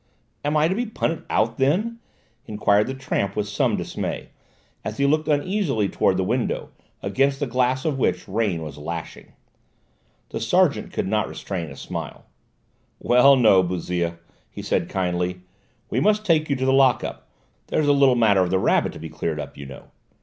"Am I to be punted out then?" enquired the tramp with some dismay, as he looked uneasily towards the window, against the glass of which rain was lashing. The sergeant could not restrain a smile. "Well, no, Bouzille," he said kindly, "we must take you to the lock up; there's the little matter of the rabbit to be cleared up, you know.